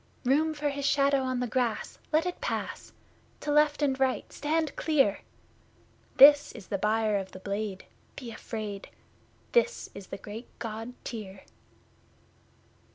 Room for his shadow on the grass let it pass! To left and right stand clear! This is the Buyer of the Blade be afraid! This is the great God Tyr!